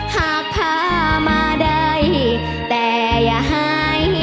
หากพามาได้แต่อย่าให้สวยเกิน